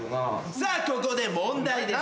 さあここで問題です。